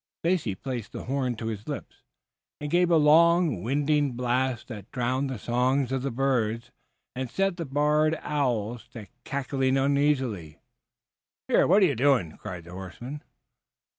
Stacy placed the horn to his lips and gave a long, winding blast that drowned the songs of the birds and set the barred owls to cackling uneasily. "Here, what are you doing?" cried the horseman.